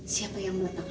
siapa yang meletakkan